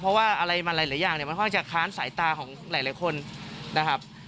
เพราะว่าอะไรมาหลายอย่างเนี่ยมันค่อนข้างจะค้านสายตาของหลายคนนะครับ